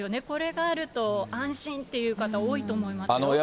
これがあると、安心っていう方、多いと思いますよ。